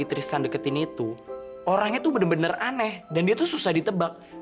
masih di sini juga ga bisa ditebak